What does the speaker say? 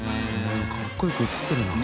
かっこよく写ってるな。